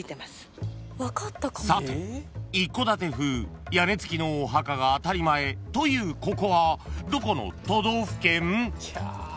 ［さて一戸建て風屋根付きのお墓が当たり前というここはどこの都道府県？］